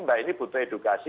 mbak ini butuh edukasi